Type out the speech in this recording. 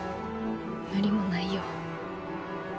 無理もないよ。